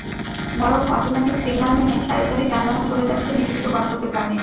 বরং automatic signal মেনে সারি সারি যানবাহন চলে যাচ্ছে নিজস্ব গন্তব্যের পানে।